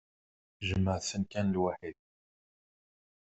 Jemɛet-ten kan lwaḥid.